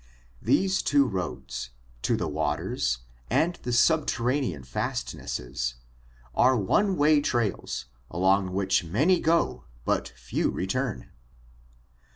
These two roads — to the waters and the subterranean fastnesses — are one way trails along which many go but few return.